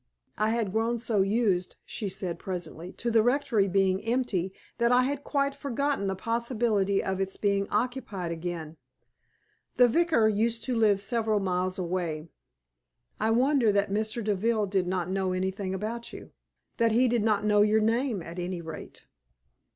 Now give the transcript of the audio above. "I had grown so used," she said, presently, "to the rectory being empty, that I had quite forgotten the possibility of its being occupied again. The vicar used to live several miles away. I wonder that Mr. Deville did not know anything about you that he did not know your name, at any rate."